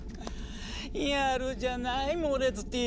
やるじゃないモレツティ。